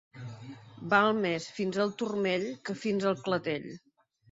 Val més fins al turmell que fins al clatell.